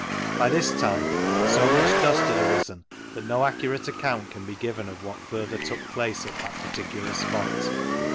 By this time so much dust had arisen that do accurate accoimt can be given of what further took place at that particular spot.